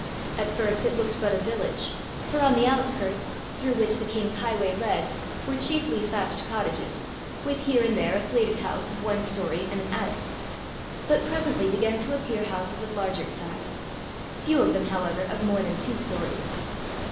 At first it looked but a village, for on the outskirts, through which the king's highway led, were chiefly thatched cottages, with here and there a slated house of one story and an attic; but presently began to appear houses of larger size few of them, however, of more than two stories.